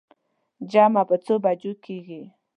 جمعه په څو بجو کېږي.